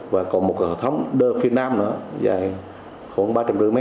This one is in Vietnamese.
và còn một cái hợp thống đơ phía nam nữa dài khoảng ba trăm linh m